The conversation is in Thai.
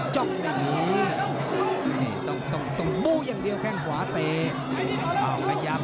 จ้องไม่มีต้องต้องต้องบูอย่างเดียวแค่ขวาเตอ้าวขยับ